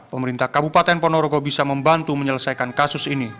pemerintah kabupaten ponorogo bisa membantu menyelesaikan kasus ini